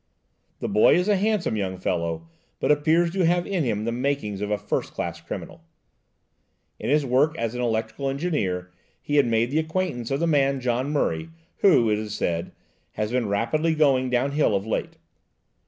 The boy is a handsome young fellow, but appears to have in him the makings of a first class criminal. In his work as an electrical engineer he had made the acquaintance of the man John Murray, who, it is said, has been rapidly going downhill of late.